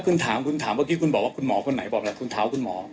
คุณถามคุณถามเมื่อกี้คุณบอกว่าคุณหมอคนไหนบอกแล้วคุณถามคุณหมอ